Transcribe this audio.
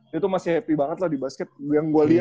dia tuh masih happy banget loh di basket yang gue liat ya